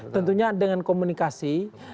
tentunya dengan komunikasi